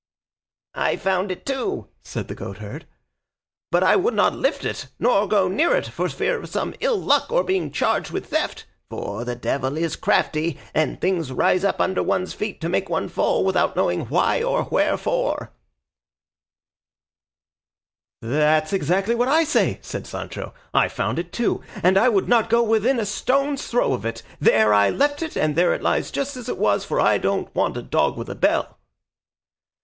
"I found it too," said the goatherd, "but I would not lift it nor go near it for fear of some ill luck or being charged with theft, for the devil is crafty, and things rise up under one's feet to make one fall without knowing why or wherefore." "That's exactly what I say," said Sancho; "I found it too, and I would not go within a stone's throw of it; there I left it, and there it lies just as it was, for I don't want a dog with a bell."